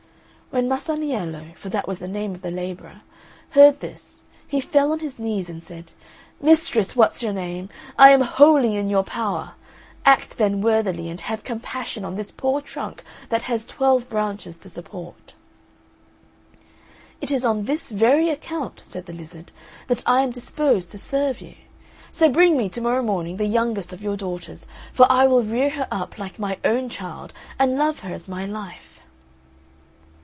When Masaniello (for that was the name of the labourer) heard this, he fell on his knees and said, "Mistress What's your name, I am wholly in your power. Act then worthily and have compassion on this poor trunk that has twelve branches to support." "It is on this very account," said the lizard, "that I am disposed to serve you; so bring me, to morrow morning the youngest of your daughters; for I will rear her up like my own child, and love her as my life."